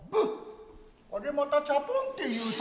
あれまたチャポンていうた。